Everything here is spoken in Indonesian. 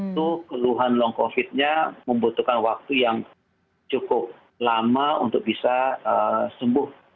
itu keluhan long covid nya membutuhkan waktu yang cukup lama untuk bisa sembuh